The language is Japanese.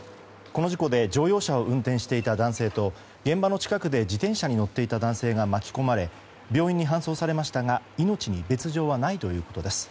この事故で乗用車を運転していた男性と現場の近くで自転車に乗っていた男性が巻き込まれ病院に搬送されましたが命に別条はないということです。